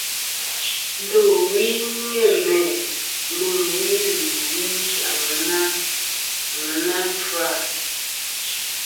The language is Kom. Ndowi ni-a mæ lumwi li wi ŋweyna ŋweyn ŋweyn kfa.